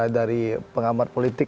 dari pengamat politik